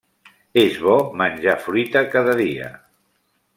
És bo menjar fruita cada dia.